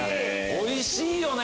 おいしいよね？